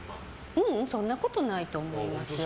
ううん、そんなことないと思う。